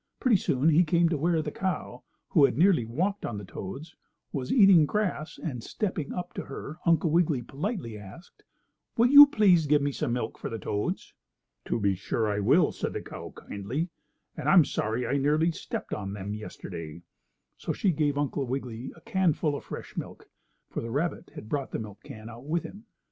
Pretty soon he came to where the cow, who had nearly walked on the toads, was eating grass, and, stepping up to her, Uncle Wiggily politely asked: "Will you please give me some milk for the toads?" "To be sure I will," said the cow, kindly, "and I'm sorry I nearly stepped on them yesterday." So she gave Uncle Wiggily a canful of fresh milk, for the rabbit had brought the milk can out with him.